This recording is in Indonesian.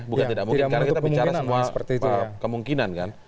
bukan tidak mungkin karena kita bicara semua kemungkinan kan